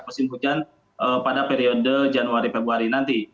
apalagi puncak musim hujan pada periode januari februari nanti